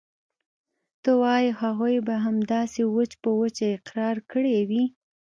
ته وايې هغوى به همداسې وچ په وچه اقرار کړى وي.